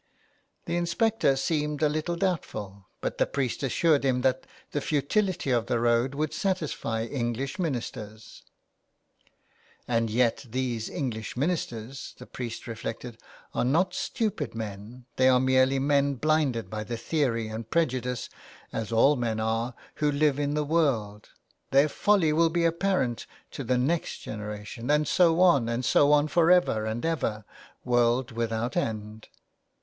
The inspector seemed a little doubtful, but the priest assured him that the futility of the road would satisfy English ministers. 1 88 A LETTER TO ROME. " And yet these English ministers/^ the priest reflected, " are not stupid men ; they are merely men blinded by theory and prejudice, as all men are who live in the world. Their folly will be apparent to the next generation, and so on and so on for ever and ever, world without end."